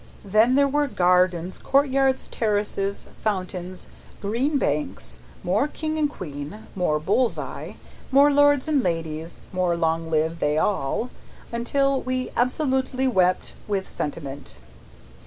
Then, there were gardens, courtyards, terraces, fountains, green banks, more King and Queen, more Bull's Eye, more lords and ladies, more Long live they all! until he absolutely wept with sentiment.